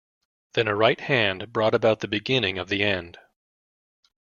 Then a right hand brought about the beginning of the end.